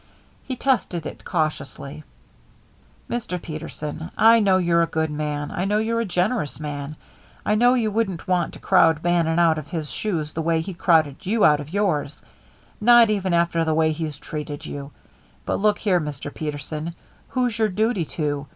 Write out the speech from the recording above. He tested it cautiously. "Mr. Peterson, I know you're a good man. I know you're a generous man. I know you wouldn't want to crowd Bannon out of his shoes the way he crowded you out of yours; not even after the way he's treated you. But look here, Mr. Peterson. Who's your duty to?